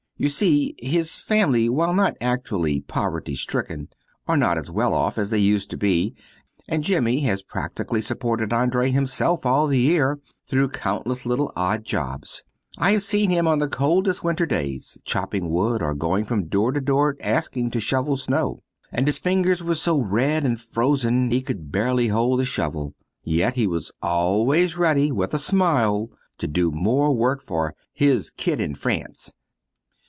You see, his family, while not actually poverty stricken, are not as well off as they used to be, and Jimmy has practically supported Andree himself all the year, through countless little odd jobs. I have seen him on the coldest winter days, chopping wood or going from door to door asking to shovel snow, and his fingers were so red and frozen he could scarcely hold the shovel; yet he was always ready, with a smile, to do more work for his "kid in France."